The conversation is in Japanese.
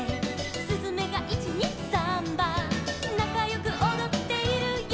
「すずめが１・２・サンバ」「なかよくおどっているよ」